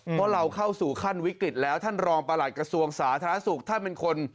เพราะเราเข้าสู่ขั้นวิกฤตแล้วท่านรองประหลัดกระทรวงสาธารณสุขท่านเป็นคน